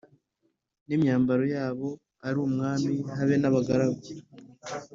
n imyambaro yabo ari umwami habe n abagaragu